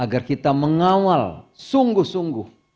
agar kita mengawal sungguh sungguh